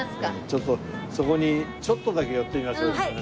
ちょっとそこにちょっとだけ寄ってみましょう。